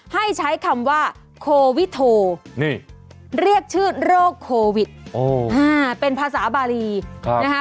ให้ใช้คำว่าโควิโทนี่เรียกชื่อโรคโควิดเป็นภาษาบารีนะคะ